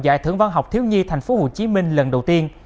giải thưởng văn học thiếu nhi tp hcm lần đầu tiên